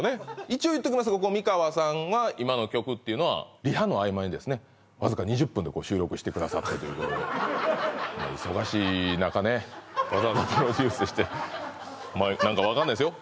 一応言っときますが美川さんが今の曲っていうのはリハの合間にですねわずか２０分で収録してくださったということで忙しい中ねわざわざプロデュースして何か分かんないですよ？